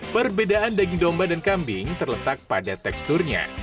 perbedaan daging domba dan kambing terletak pada teksturnya